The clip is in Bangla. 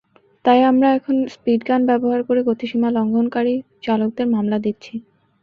তাই আমরা এখন স্পিডগান ব্যবহার করে গতিসীমা লঙ্ঘনকারী চালকদের মামলা দিচ্ছি।